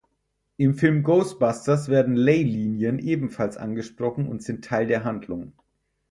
Im Film Ghostbusters werden Ley-Linien ebenfalls angesprochen und sind Teil der Handlung.